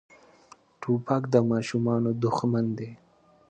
توپک د ماشومتوب دښمن دی.